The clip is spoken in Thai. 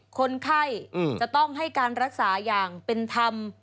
คนไข้จะต้องให้การรักษาอย่างเป็นธรรม